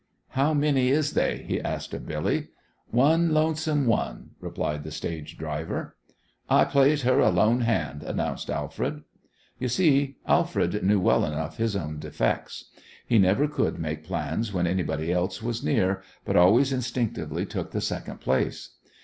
"How many is they?" he asked of Billy. "One lonesome one," replied the stage driver. "I plays her a lone hand," announced Alfred. You see, Alfred knew well enough his own defects. He never could make plans when anybody else was near, but always instinctively took the second place.